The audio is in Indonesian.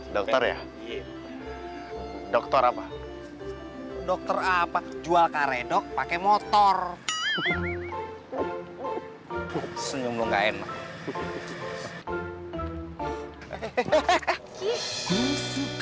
dokter ya dokter apa dokter apa jual karedok pakai motor senyum lu enggak enak